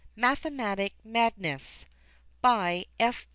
_) A MATHEMATIC MADNESS. F.